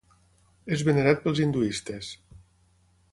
És venerat pels hinduistes.